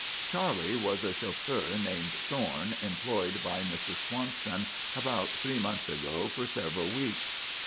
"'Charley' was a chauffeur named Thorne, employed by Mrs. Swanson about three months ago for several weeks.